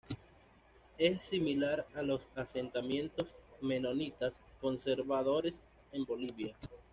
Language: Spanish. Es similar a los asentamientos menonitas conservadores en Bolivia.